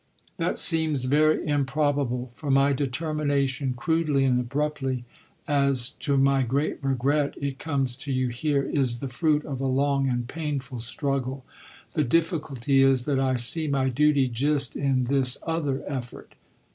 "That seems very improbable, for my determination, crudely and abruptly as, to my great regret, it comes to you here, is the fruit of a long and painful struggle. The difficulty is that I see my duty just in this other effort."